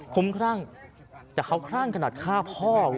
คุ้มครั่งแต่เขาคลั่งขนาดฆ่าพ่อ